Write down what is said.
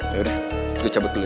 yaudah gue cabut dulu ya